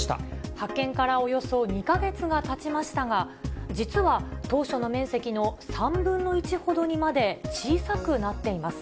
発見からおよそ２か月がたちましたが、実は当初の面積の３分の１ほどにまで小さくなっています。